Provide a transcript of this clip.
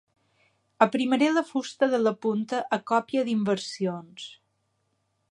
Aprimaré la fusta de la punta a còpia d'inversions.